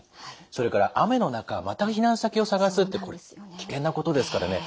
それから雨の中また避難先を探すってこれ危険なことですからね